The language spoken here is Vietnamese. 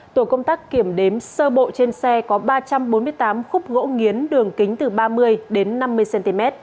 tổ công tác kiểm đếm sơ bộ trên xe có ba trăm bốn mươi tám khúc gỗ nghiến đường kính từ ba mươi đến năm mươi cm